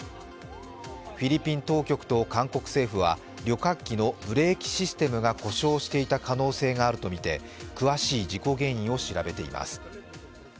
フィリピン当局と韓国政府は旅客機のブレーキシステムが故障していた可能性があるとみて詳しい事故原因を調べています。